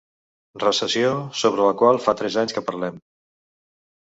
Recessió sobre la qual fa tres anys que parlem.